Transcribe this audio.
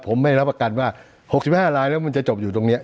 ผมไม่รับประกันว่า๖๕ลายแล้วมันจะจบอยู่ตรงนี้